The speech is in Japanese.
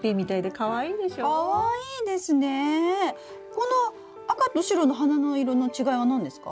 この赤と白の花の色の違いは何ですか？